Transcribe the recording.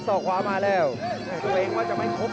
ส่วนหน้านั้นอยู่ที่เลด้านะครับ